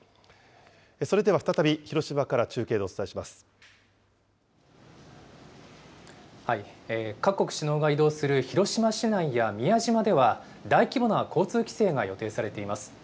それでは再び、広島から中継でお各国首脳が移動する広島市内や宮島では、大規模な交通規制が予定されています。